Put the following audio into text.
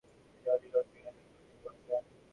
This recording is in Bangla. তিনি অধিকতর কার্যকারিতা প্রদর্শন করেছেন।